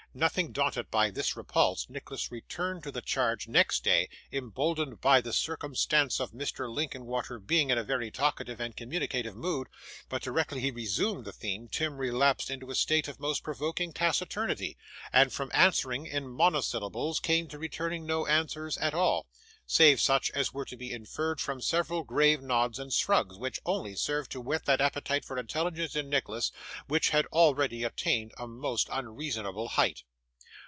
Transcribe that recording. Nothing daunted by this repulse, Nicholas returned to the charge next day, emboldened by the circumstance of Mr. Linkinwater being in a very talkative and communicative mood; but, directly he resumed the theme, Tim relapsed into a state of most provoking taciturnity, and from answering in monosyllables, came to returning no answers at all, save such as were to be inferred from several grave nods and shrugs, which only served to whet that appetite for intelligence in Nicholas, which had already attained a most unreasonable height.